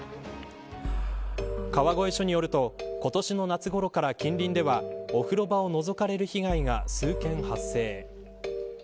川越署によると今年の夏ごろから近隣ではお風呂場をのぞかれる被害が数件発生。